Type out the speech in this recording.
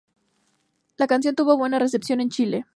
La canción tuvo buena recepción en Chile.